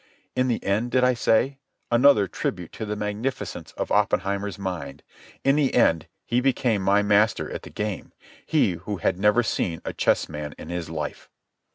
In the end, did I say? Another tribute to the magnificence of Oppenheimer's mind: in the end he became my master at the game—he who had never seen a chessman in his life.